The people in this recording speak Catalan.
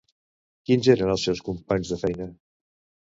Quins eren els seus companys de feina?